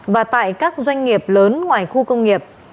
và tại các doanh nghiệp lớn ngoài khu công nghiệp